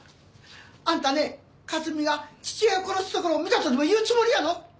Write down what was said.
あんたね克巳が父親を殺すところを見たとでも言うつもりやの！？